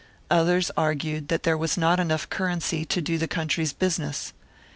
Others argued that there was not enough currency to do the country's business.